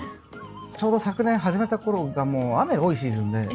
ちょうど昨年始めた頃がもう雨が多いシーズンで。